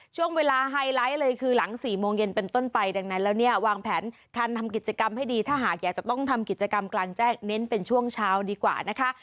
ช่วงเวลาไฮไลท์เลยคือหลัง๔โมงเย็นเป็นต้นไปดังนั้นแล้วเนี่ยวางแผนการทำกิจกรรมให้ดีถ้าหากอยากจะต้องทำกิจกรรมกลางแจ้งเน้นเป็นช่วงเช้าดีกว่านะคะ